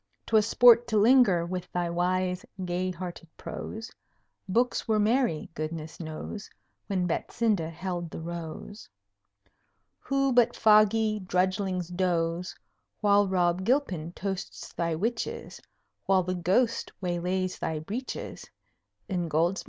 'twas sport to linger With thy wise, gay hearted prose. Books were merry, goodness knows! When Betsinda held the Rose. Who but foggy drudglings doze While Rob Gilpin toasts thy witches, While the Ghost waylays thy breeches, Ingoldsby?